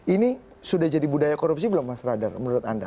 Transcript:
ini sudah jadi budaya korupsi belum mas radar menurut anda